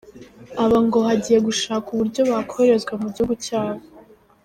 Aba ngo hagiye gushakwa uburyo bakoherezwa mu gihugu cyabo.